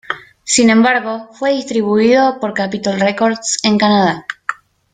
Sin embargo, fue distribuido por Capitol Records en Canadá.